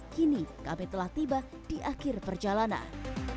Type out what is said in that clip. kini kami telah tiba di akhir perjalanan